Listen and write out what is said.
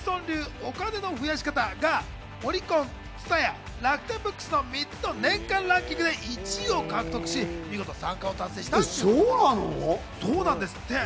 お金の増やし方』がオリコン、ＴＳＵＴＡＹＡ、楽天ブックスの３つの年間ランキングで１位を獲得し、見事三冠を達成したということです。